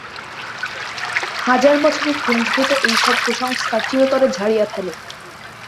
হাজার বছরের পুঞ্জীভূত এইসব কুসংস্কার চিরতরে ঝাড়িয়া ফেল।